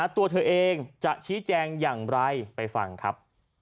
ตัวเธอเองจะชี้แจงอย่างไรไปฟังครับ